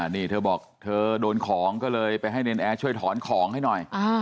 นี่เธอบอกเธอโดนของก็เลยไปให้เนรนแอร์ช่วยถอนของให้หน่อย